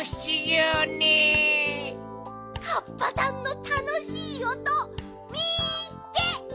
カッパさんのたのしいおとみっけ！